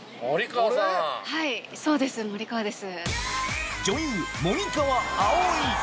はいそうです森川です。